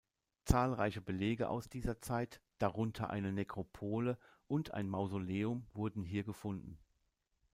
Zahlreiche Belege aus dieser Zeit, darunter eine Nekropole und ein Mausoleum wurden hier gefunden.